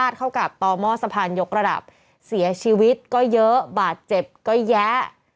สะพานยกระดับเสียชีวิตก็เยอะบาดเจ็บก็แยะ